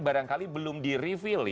barangkali belum di reveal ya